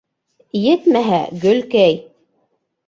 Етмәһә, Гөлкәй: